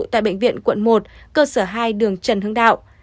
tại bệnh viện quận một cơ sở hai đường trần hưng đạo